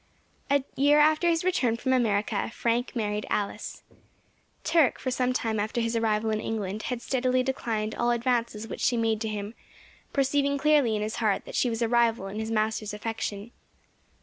A year after his return from America Frank married Alice. Turk, for some time after his arrival in England, had steadily declined all advances which she made to him, perceiving clearly in his heart that she was a rival in his master's affection.